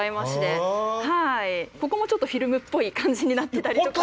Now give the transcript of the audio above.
ここもちょっとフィルムっぽい感じになってたり。